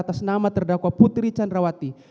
atas nama terdakwa putri candrawati